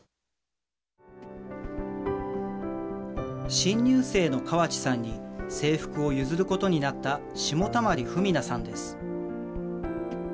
新入生の河内さんに制服を譲ることになった下玉利文菜さんです